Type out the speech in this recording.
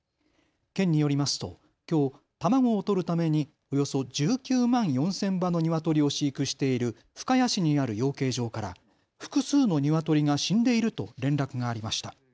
県によりますと、きょう卵を取るためにおよそ１９万４０００羽のニワトリを飼育している深谷市にある養鶏場から複数のニワトリが死んでいると連絡がありました。